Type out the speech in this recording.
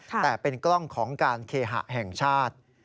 แต่เป็นกล้องของการเคหะแห่งชาติ